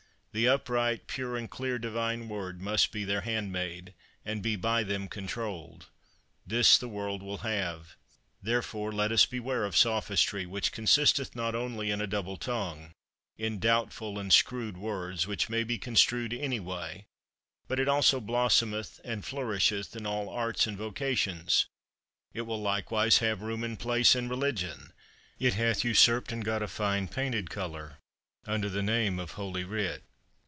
The upright, pure, and clear Divine Word must be their handmaid, and be by them controlled; this the world will have. Therefore let us beware of sophistry, which consisteth not only in a double tongue, in doubtful and screwed words, which may be construed any way, but also it blossometh, and flourisheth in all arts and vocations; it will likewise have room and place in religion; it hath usurped and got a fine painted colour, under the name of holy writ.